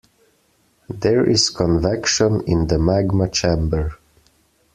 There is convection in the magma chamber.